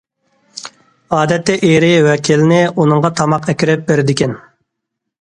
ئادەتتە ئېرى ۋە كېلىنى ئۇنىڭغا تاماق ئەكىرىپ بېرىدىكەن.